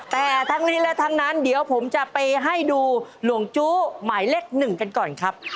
แต่ทั้งนี้และทั้งนั้นเดี๋ยวผมจะไปให้ดูหลวงจู้หมายเลขหนึ่งกันก่อนครับ